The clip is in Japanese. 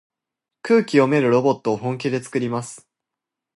空気読めるロボットを本気でつくります。